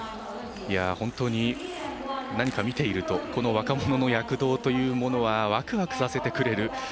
本当に何か見ているとこの若者の躍動というものはワクワクさせてくれる。